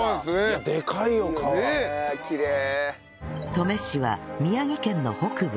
登米市は宮城県の北部